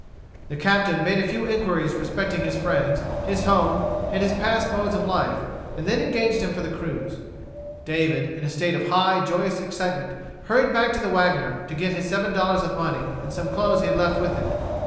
The captain made a few inquiries respecting his friends, his home, and his past modes of life, and then engaged him for the cruise. David, in a state of high, joyous excitement, hurried back to the wagoner, to get his seven dollars of money and some clothes he had left with him.